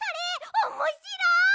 おもしろい！